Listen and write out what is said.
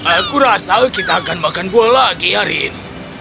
aku rasa kita akan makan buah lagi hari ini